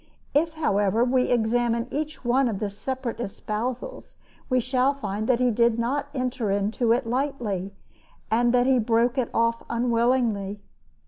If, however, we examine each one of the separate espousals we shall find that he did not enter into it lightly, and that he broke it off unwillingly.